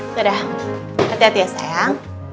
sudah hati hati ya sayang